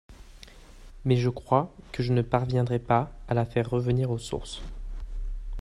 mais je crois que je ne parviendrai pas à la faire revenir aux sources…